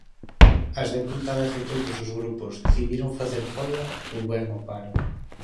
As deputadas de todos os grupos decidiron facer folga ou ben o paro.